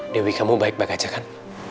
dewi kamu baik banget kan